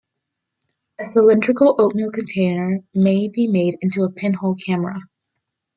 A cylindrical oatmeal container may be made into a pinhole camera.